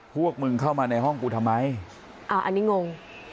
พวกมึงเข้ามาในห้องกูทำไมอ่าอันนี้งง